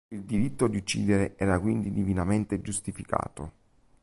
Il diritto di uccidere era quindi divinamente giustificato.